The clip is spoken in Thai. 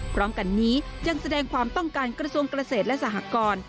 พร้อมกันนี้ยังแสดงความต้องการกระทรวงเกษตรและสหกร